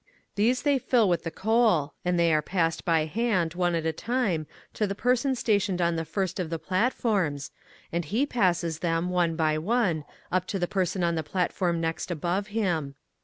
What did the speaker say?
These they fill with the coal, and they are passed by hand, one at a time, to the person sta tioned on the first of the platforms, and he passes them, one by one, up to the per son on the platform next above him.